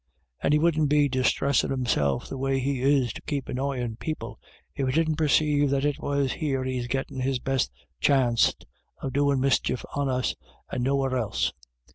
And he wouldn't be disthressin' himself the way he is to keep annoyin' people, if he didn't perceive that it was here he's gettin his best chanst of doin' mischief on us, and nowhere else.